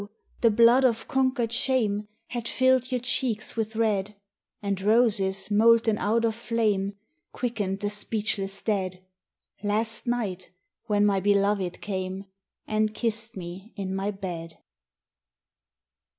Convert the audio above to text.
the blood of conquered shame Had filled your cheeks with red, And roses molten out of flame Quickened the speechless dead, Last night, when my beloved came And kissed me in my bed.